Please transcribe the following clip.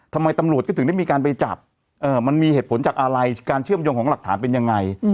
ตำรวจก็ถึงได้มีการไปจับมันมีเหตุผลจากอะไรการเชื่อมโยงของหลักฐานเป็นยังไง